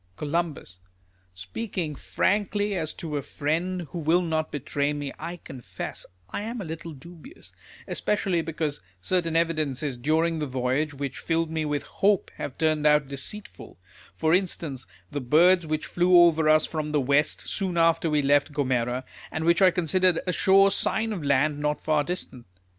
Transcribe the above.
Col. Speaking frankly as to a friend who will not betray me, I confess I am a little dubious ; especially because certain evidences during the voyage, which filled me with liope, have turned out deceitful ; for instance, the birds which fiew over us from the west, soon after we left Gomera, and which I considerered a sure sign of land not far distant.